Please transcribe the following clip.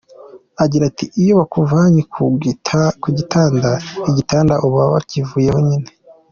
Agira ati "Iyo bakuvanye ku gitanda, igitanda uba wakivuyeho nyine.